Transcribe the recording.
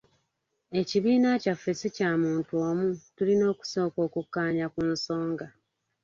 Ekibiina ekyaffe si kya muntu omu, tulina okusooka okukkaanya ku nsonga.